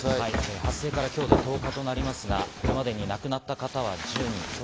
発生から今日で１０日となりますが、これまでに亡くなった方は１０人。